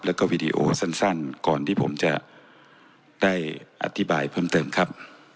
แล้วก็วีดีโอสั้นก่อนที่ผมจะได้อธิบายเพิ่มเติมครับ